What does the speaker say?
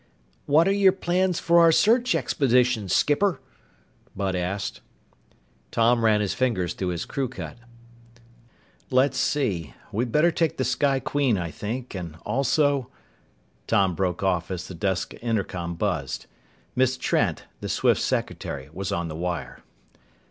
"What are your plans for our search expedition, skipper?" Bud asked. Tom ran his fingers through his crew cut. "Let's see. We'd better take the Sky Queen, I think, and also " Tom broke off as the desk intercom buzzed. Miss Trent, the Swifts' secretary, was on the wire.